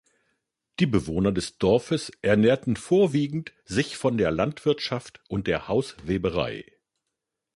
Die Bewohner des Dorfes ernährten vorwiegend sich von der Landwirtschaft und der Hausweberei.